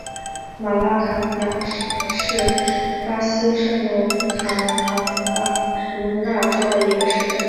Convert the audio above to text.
马拉卡雅是巴西圣卡塔琳娜州的一个市镇。